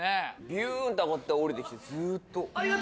ビュンと上がって下りてきてずっと。